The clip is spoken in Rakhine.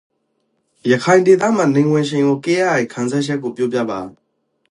ရခိုင်ဒေသမှာနီဝင်ချိန်ကိုကြည့်ရယေခံစားချက်ကိုပြောပြပါ။